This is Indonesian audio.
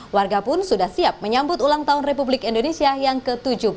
warga pun sudah siap menyambut ulang tahun republik indonesia yang ke tujuh puluh tujuh